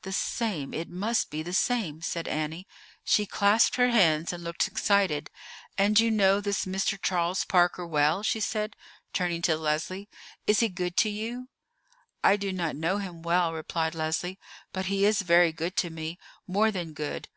"The same; it must be the same," said Annie. She clasped her hands and looked excited. "And you know this Mr. Charles Parker well?" she said, turning to Leslie. "He is good to you?" "I do not know him well," replied Leslie; "but he is very good to me—more than good.